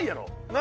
何？